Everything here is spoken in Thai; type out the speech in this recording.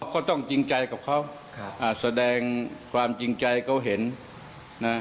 ก็ต้องจริงใจกับเขาครับอ่าแสดงความจริงใจเขาเห็นนะ